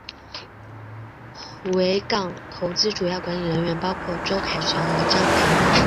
维港投资主要管理人员包括周凯旋和张培薇。